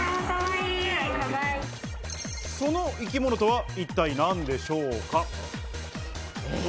その生き物とは一体何でしょうか？